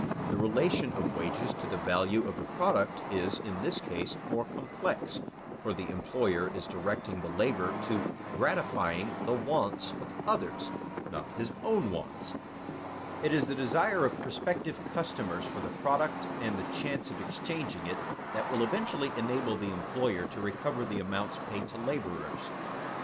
_ The relation of wages to the value of the product is in this case more complex, for the employer is directing the labor to gratifying the wants of others, not his own wants. It is the desire of prospective customers for the product, and the chance of exchanging it, that will eventually enable the employer to recover the amounts paid to laborers.